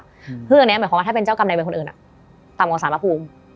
เพราะอย่างนี้หมายความว่าถ้าเจ้ากรรมใดเป็นคนอื่นต่ำกว่าสารปภูมิ